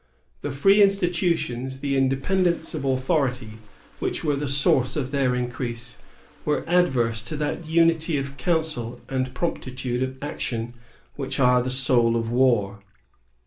The free institutions, the independence of authority, which were the source of their increase, were adverse to that unity of counsel and promptitude of action which are the soul of war.